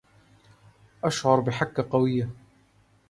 أشعر بحكة قوية.